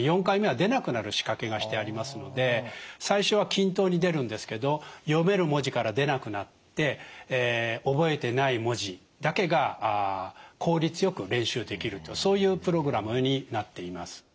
４回目は出なくなる仕掛けがしてありますので最初は均等に出るんですけど読める文字から出なくなって覚えてない文字だけが効率よく練習できるそういうプログラムになっています。